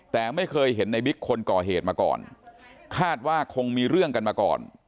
แต่ไม่เคยเห็นในบิ๊กคนก่อเหตุมาก่อนคาดว่าคงมีเรื่องกันมาก่อน